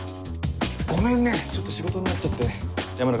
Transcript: ごめんねちょっと仕事になっちゃって山田会計は？